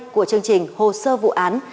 của chương trình hồ sơ vụ án